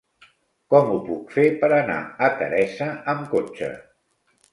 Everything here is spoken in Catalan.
Com ho puc fer per anar a Teresa amb cotxe?